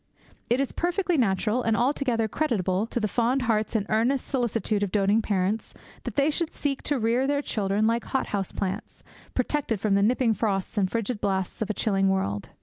It is perfectly natural, and altogether creditable to the fond hearts and earnest solicitude of doting parents, that they should seek to rear their children like hot house plants, protected from the nipping frosts and frigid blasts of a chilling world.